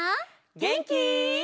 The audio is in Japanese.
げんき？